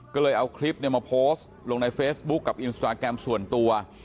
ก็เลยเอาคลิปมาโพสต์ลงในเฟซบุ๊คกับอินสตราแกรมส่วนตัว